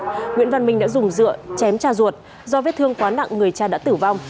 nguyễn văn minh đã dùng dựa chém cha ruột do vết thương quá nặng người cha đã tử vong